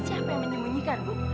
siapa yang menyembunyikan ibu